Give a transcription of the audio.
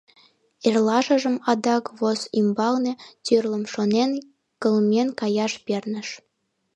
Эрлашыжым адак воз ӱмбалне, тӱрлым шонен, кылмен каяш перныш.